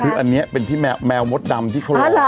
คืออันนี้เป็นที่แมวมดดำที่เขาลง